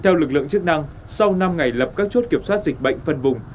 theo lực lượng chức năng sau năm ngày lập các chốt kiểm soát dịch bệnh phân vùng